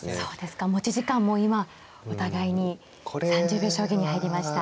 持ち時間も今お互いに３０秒将棋に入りました。